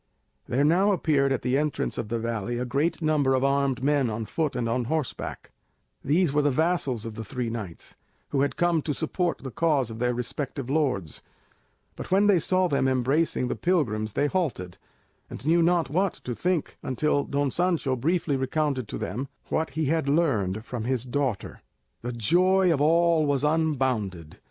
There now appeared at the entrance of the valley a great number of armed men on foot and on horseback: these were the vassals of the three knights, who had come to support the cause of their respective lords; but when they saw them embracing the pilgrims they halted, and knew not what to think until Don Sancho briefly recounted to them what he had learned from his daughter. The joy of all was unbounded.